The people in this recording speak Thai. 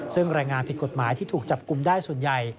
ซึ่งแรงงานผิดกฎหมายที่ถูกจับกลุ่มได้ส่วนใหญ่